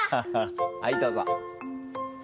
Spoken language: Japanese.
はい、どうぞ。